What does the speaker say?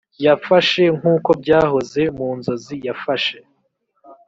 yafashe, nkuko byahoze mu nzozi yafashe